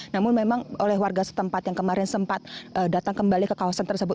namun memang oleh warga setempat yang kemarin sempat datang kembali ke kawasan tersebut